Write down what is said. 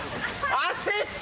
焦った。